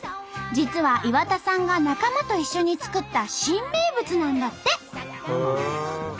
実は岩田さんが仲間と一緒に作った新名物なんだって！